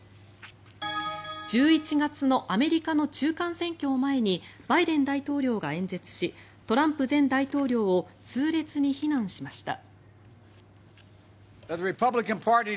１１月のアメリカの中間選挙を前にバイデン大統領が演説しトランプ前大統領を痛烈に非難しました。